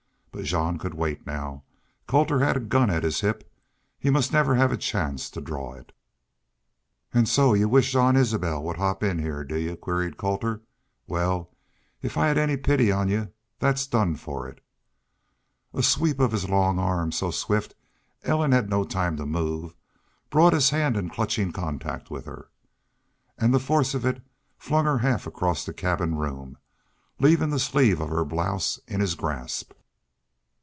But Jean could wait now. Colter had a gun at his hip. He must never have a chance to draw it. "Ahuh! So y'u wish Jean Isbel would hop in heah, do y'u?" queried Colter. "Wal, if I had any pity on y'u, that's done for it." A sweep of his long arm, so swift Ellen had no time to move, brought his hand in clutching contact with her. And the force of it flung her half across the cabin room, leaving the sleeve of her blouse in his grasp.